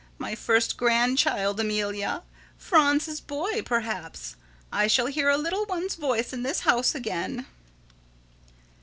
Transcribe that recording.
My first grandchild, Amelia. Franz's boy, perhaps. I shall hear a little one's voice in this house again.